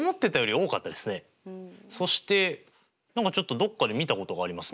そして何かちょっとどっかで見たことがありますね。